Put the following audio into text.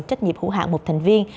trách nhiệm hữu hạng một thành viên